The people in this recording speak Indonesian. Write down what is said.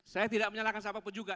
saya tidak menyalahkan siapapun juga